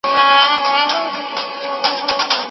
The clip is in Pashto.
ما خپل راتلونکی پخپله تضمین کړی دی.